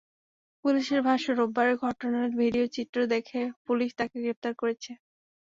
পুলিশের ভাষ্য, রোববারের ঘটনার ভিডিও চিত্র দেখে পুলিশ তাঁকে গ্রেপ্তার করেছে।